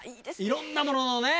いろんなもののね。